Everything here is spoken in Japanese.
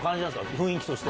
雰囲気として。